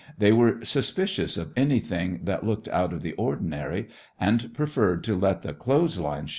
They were suspicious of anything that looked out of the ordinary, and preferred to let the "clothes line ships" go.